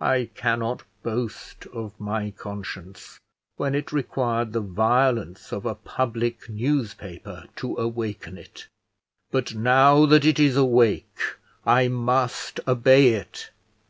I cannot boast of my conscience, when it required the violence of a public newspaper to awaken it; but, now that it is awake, I must obey it.